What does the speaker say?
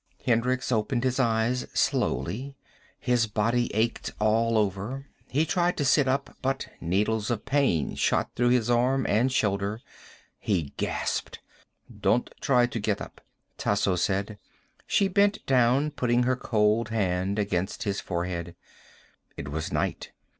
Hendricks opened his eyes slowly. His body ached all over. He tried to sit up but needles of pain shot through his arm and shoulder. He gasped. "Don't try to get up," Tasso said. She bent down, putting her cold hand against his forehead. It was night.